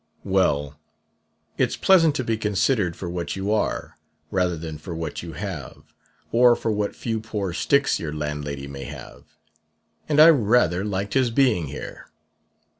Well, it's pleasant to be considered for what you are rather than for what you have (or for what few poor sticks your landlady may have); and I rather liked his being here.